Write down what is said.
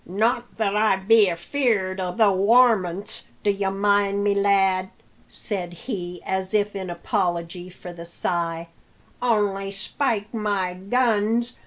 "Not that I be afear'd o' the warmints, dye mind me, lad," said he, as if in apology for the sigh; "only spike my guns!